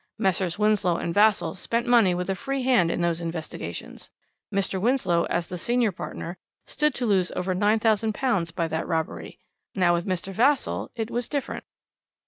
Messrs. Winslow and Vassall spent money with a free hand in those investigations. Mr. Winslow, as the senior partner, stood to lose over £9000 by that robbery. Now, with Mr. Vassall it was different.